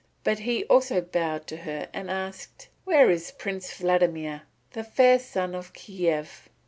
But he also bowed to her and asked, "Where is Prince Vladimir, the Fair Sun of Kiev?"